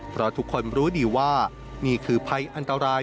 เพราะทุกคนรู้ดีว่านี่คือภัยอันตราย